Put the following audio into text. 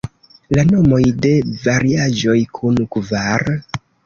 La nomoj de variaĵoj kun kvar.